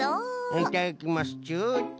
いただきますチュチュ。